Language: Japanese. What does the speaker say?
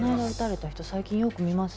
最近よく見ますね。